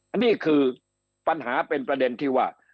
อันนี้คือปัญหาเป็นประเด็นที่ว่า